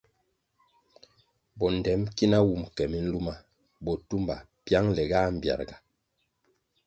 Bondtem ki na wun ke miluma botumba piangle ga mbpiarga.